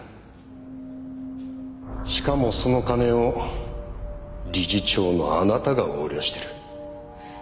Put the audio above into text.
しかもその金を理事長のあなたが横領してる。